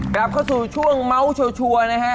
กลับเข้าสู่ช่วงเมาส์ชัวร์นะฮะ